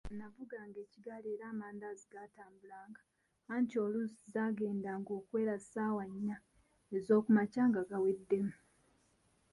Navuganga ekigaali era amandaazi gaatambulanga anti oluusi zaagendanga okuwera ssaawa nnya ezookumakya nga gaweddemu.